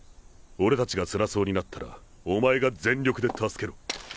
俺たちがつらそうになったらお前が全力で助けろ。